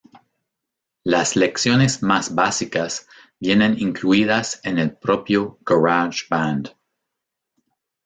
Las lecciones más básicas vienen incluidas en el propio GarageBand.